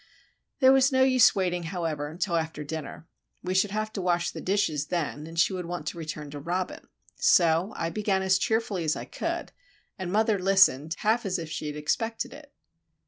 There was no use waiting, however, till after dinner. We should have to wash the dishes then, and she would want to return to Robin. So I began as cheerfully as I could, and mother listened, half as if she had expected it.